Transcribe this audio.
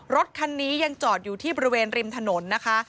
รถคันนี้ยังจอดอยู่ที่บริเวณริมถนนนะคะ